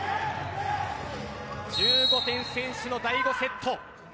１５点先取の第５セット。